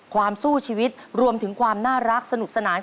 สู้ชีวิตรวมถึงความน่ารักสนุกสนาน